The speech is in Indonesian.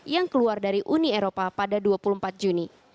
yang keluar dari uni eropa pada dua puluh empat juni